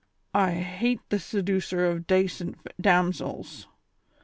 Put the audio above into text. I hate tlie seducer of dacent darasils.